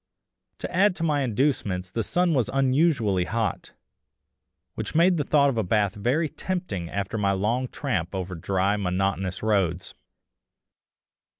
To add to my inducements the sun was unusually hot, which made the thought of a bath very tempting after my long tramp over dry monotonous roads.